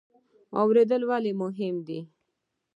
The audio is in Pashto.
اوریدل ولې مهم دي؟